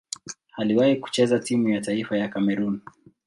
Aliwahi kucheza timu ya taifa ya Kamerun.